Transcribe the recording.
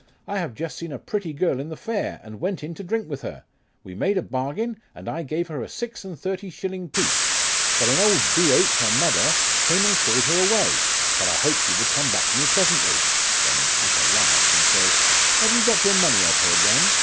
I have just seen a pretty girl in the fair, and went in to drink with her ; we made a bargain, and I gave her a six and thirty shilling piece, but an old b h, her mother, came and called her away, but I hope she will come back to me presently ; then the capper laughs and says, Have you got your money of her again